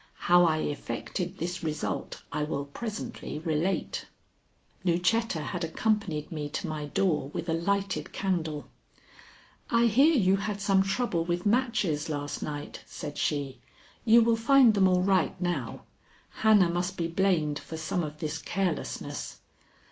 How I effected this result I will presently relate. Lucetta had accompanied me to my door with a lighted candle. "I hear you had some trouble with matches last night," said she. "You will find them all right now. Hannah must be blamed for some of this carelessness."